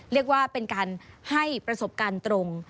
เรียกว่าเป็นการให้ประสบการณ์ตรง